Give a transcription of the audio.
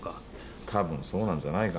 たぶんそうなんじゃないかな？